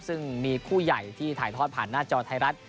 ซึ่งมีคู่ใหญ่ที่ถ่ายทอดผ่านหน้าจอไทยรัฐ